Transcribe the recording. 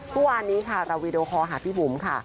ตัวอันนี้ค่ะเราวีดีโอคอร์หาพี่บุ๋มค่ะ